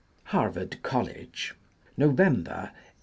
Habvard College, November, 1870.